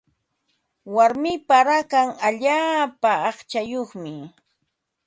Warmipa rakan allaapa aqchayuqmi.